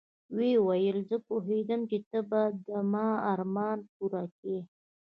ويې ويل زه پوهېدم چې ته به د ما ارمان پوره کيې.